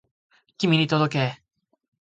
君に届け